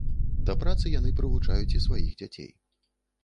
Да працы яны прывучваюць і сваіх дзяцей.